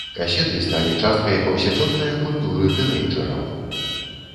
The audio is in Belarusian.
Касеты сталі часткай паўсядзённая культуры тынэйджэраў.